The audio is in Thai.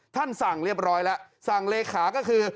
ท่านสั่งเรียบร้อยแล้วสั่งเลขาก็คือ